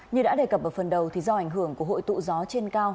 như đã đề cập ở phần đầu do ảnh hưởng của hội tụ gió trên cao